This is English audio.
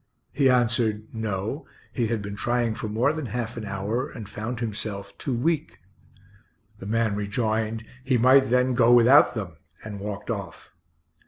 He answered, no, he had been trying for more than half an hour, and found himself too weak. The man rejoined, he might then go without them, and walked off.